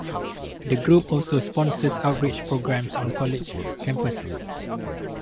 The group also sponsors outreach programs on college campuses.